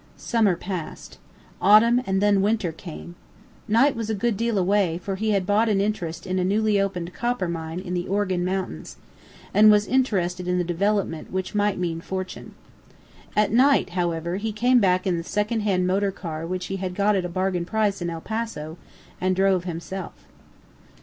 Summer passed. Autumn and then winter came. Knight was a good deal away, for he had bought an interest in a newly opened copper mine in the Organ Mountains, and was interested in the development which might mean fortune. At night, however, he came back in the second hand motor car which he had got at a bargain price in El Paso, and drove himself.